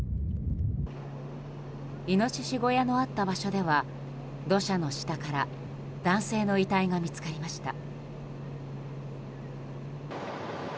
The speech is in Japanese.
イノシシ小屋のあった場所では土砂の下から男性の遺体が見つかりました。